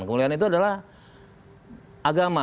kemuliaan itu adalah agama